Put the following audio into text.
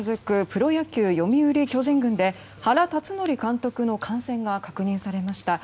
プロ野球、読売巨人軍で原辰徳監督の感染が確認されました。